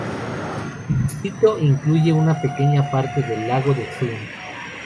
El distrito incluye una pequeña parte del lago de Thun.